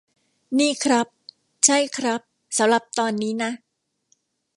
นี่ครับ ใช่ครับ สำหรับตอนนี้นะ